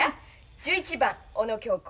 １１番小野恭子